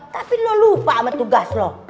tapi lu lupa sama tugas lu